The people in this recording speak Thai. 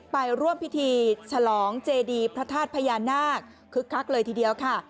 ไปร่วมพิธีฉลองเจดีพระธาตุพญานาคคึกคักเลยทีเดียวค่ะ